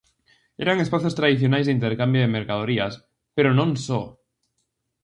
Eran espazos tradicionais de intercambio de mercadorías, pero non só.